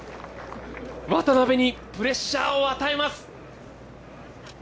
渡邉にプレッシャーを与えます。